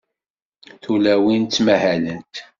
Tulawin ttmahalent.